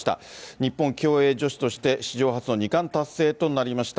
日本競泳女子として、史上初の２冠達成となりました。